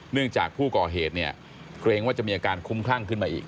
เนื่องจากผู้ก่อเหตุเกรงว่าจะมีอาการคุ้มครั่งขึ้นมาอีก